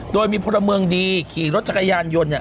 โดยมีพลเมืองดีขี่รถจักรยานยนต์เนี่ย